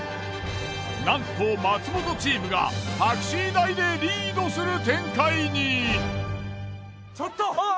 なんと松本チームがタクシー代でリードする展開に。